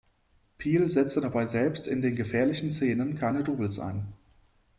Piel setzte dabei selbst in den gefährlichen Szenen keine Doubles ein.